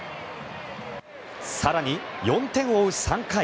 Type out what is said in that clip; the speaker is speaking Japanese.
更に４点を追う３回。